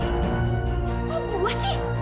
mau gua sih